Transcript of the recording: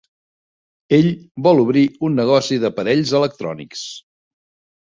Ell vol obrir un negoci d'aparells electrònics.